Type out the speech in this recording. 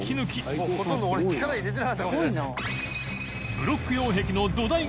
淵▲蕁ほとんど俺力入れてなかったかもしれない。